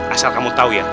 asal kamu tau ya